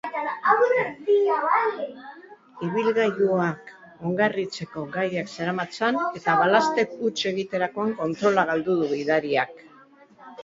Ibilgailuak ongarritzeko gaiak zeramatzan eta balaztek huts egiterakoan kontrola galdu du gidariak.